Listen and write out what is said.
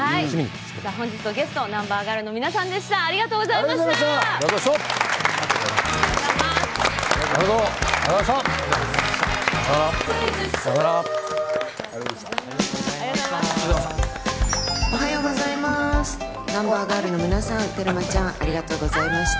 本日のゲストＮＵＭＢＥＲＧＩＲＬの皆さんでした、ありがとうございました。